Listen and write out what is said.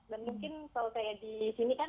dan mungkin kalau kayak disini kan